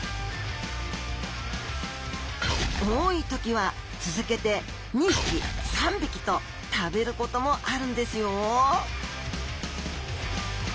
多い時は続けて２匹３匹と食べることもあるんですよ